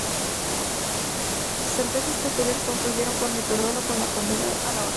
Sentencias posteriores concluyeron con el perdón o con la condena a la horca.